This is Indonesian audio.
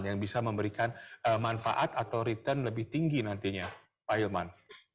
yang bisa memberikan manfaat atau return lebih tinggi nantinya pak hilman